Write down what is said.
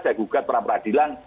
saya gugat perapradilan